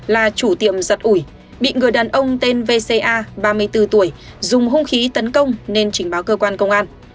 là chủ tiệm giật ủi bị người đàn ông tên vca ba mươi bốn tuổi dùng hung khí tấn công nên trình báo cơ quan công an